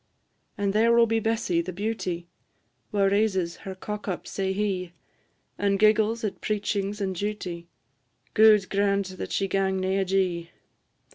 And there will be Bessy, the beauty, Wha raises her cock up sae hie, And giggles at preachings and duty; Gude grant that she gang nae ajee!